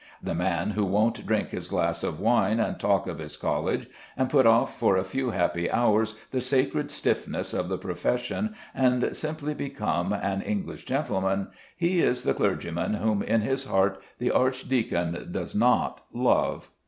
The man who won't drink his glass of wine, and talk of his college, and put off for a few happy hours the sacred stiffnesses of the profession and become simply an English gentleman, he is the clergyman whom in his heart the archdeacon does not love.